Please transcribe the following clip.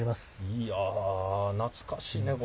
いや懐かしいねこれ。